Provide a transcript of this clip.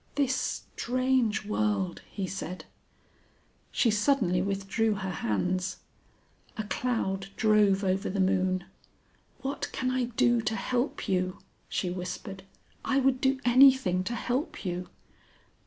"This strange world!" he said. She suddenly withdrew her hands. A cloud drove over the moon. "What can I do to help you?" she whispered. "I would do anything to help you."